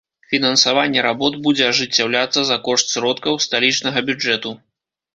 Фінансаванне работ будзе ажыццяўляцца за кошт сродкаў сталічнага бюджэту.